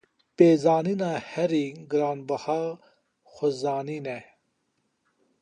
Pêzanîna herî giranbiha, xwezanîn e.